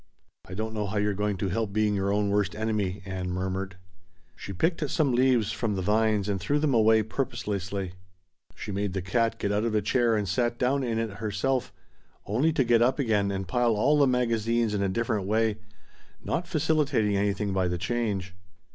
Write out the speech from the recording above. "I don't know how you're going to help being your own worst enemy," Ann murmured. She picked some leaves from the vines and threw them away, purposelessly; she made the cat get out of a chair and sat down in it herself, only to get up again and pile all the magazines in a different way, not facilitating anything by the change.